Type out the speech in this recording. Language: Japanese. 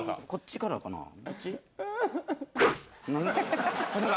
こっちからかな？